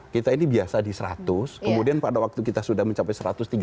kita ini biasa di seratus kemudian pada waktu kita sudah mencapai satu ratus tiga puluh